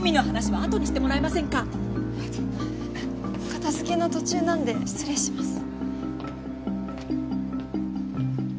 片付けの途中なんで失礼します。